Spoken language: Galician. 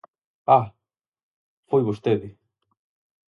¡Ah!, foi vostede.